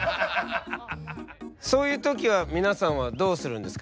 そういう時は皆さんはどうするんですか？